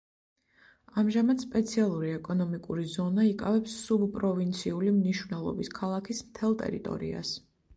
ამჟამად სპეციალური ეკონომიკური ზონა იკავებს სუბპროვინციული მნიშვნელობის ქალაქის მთელ ტერიტორიას.